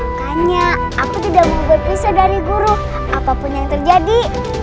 makanya aku tidak mau berpisah dari guru apapun yang terjadi